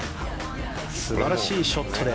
素晴らしいショットで。